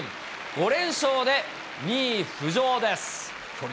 ５連勝で２位浮上です。